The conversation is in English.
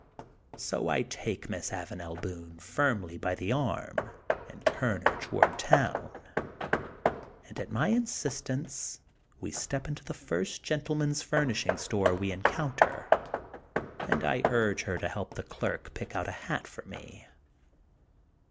'* So I take Miss Avanel Boone firmly by the arm and turn her toward town and at my in sistence we step into the first gentlemen's furnishing store we encounter and I urge her to help the clerk pick out a hat for me.